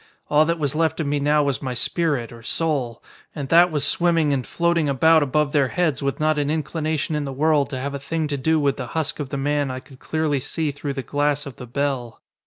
All that was left of me now was my spirit, or soul. And that was swimming and floating about above their heads with not an inclination in the world to have a thing to do with the husk of the man I could clearly see through the glass of the bell.